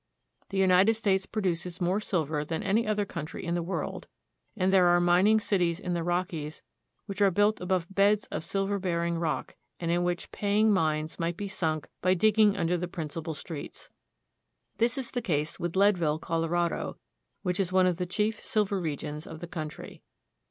The United States produces more silver than any other country in the world, and there are mining cities in the Rockies which are built above beds of silver bearing rock, and in which pay ing mines might be sunk by digging under the principal streets. This is the case with Leadville, Colorado, which is in one of the chief silver regions of the country.